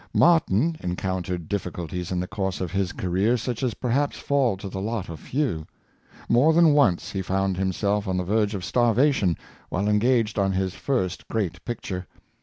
Martin encountered difficulties in the course of his career such as perhaps fall to the lot of few. More than once he found him self on the verge of starvation while engaged on his first great picture.